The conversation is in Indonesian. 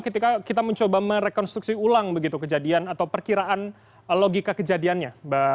ketika kita mencoba merekonstruksi ulang begitu kejadian atau perkiraan logika kejadiannya